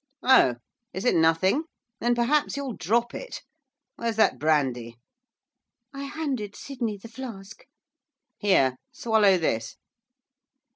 'Oh, is it nothing? Then perhaps you'll drop it. Where's that brandy?' I handed Sydney the flask. 'Here, swallow this.